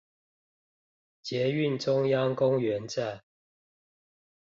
捷運中央公園站